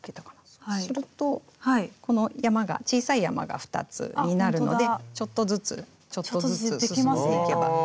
そうするとこの山が小さい山が２つになるのでちょっとずつちょっとずつ進んでいけば。